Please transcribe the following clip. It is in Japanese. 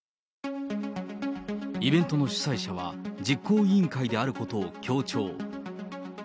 イベントの主催者は、実行委員会であることを強調。